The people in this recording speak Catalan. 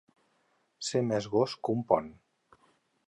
Ser més gos que un pont.